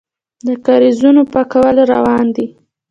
د کاریزونو پاکول روان دي؟